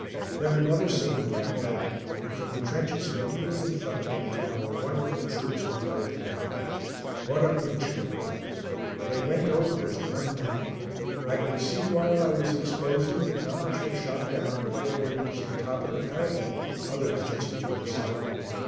Then another signal rang out, and from the trenches immediately in front of me, our wonderful troops went over the top. What a picture it was! They went over as one man. I could see while I was exposing, that numbers were shot down before they reached the top of the parapet; others just the other side.